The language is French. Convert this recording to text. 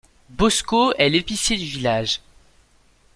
Bosko est l'épicier du village.